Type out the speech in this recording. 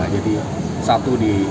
jadi satu di